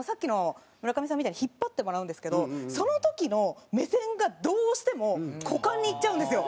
村上さんみたいに引っ張ってもらうんですけどその時の目線がどうしても股間にいっちゃうんですよ。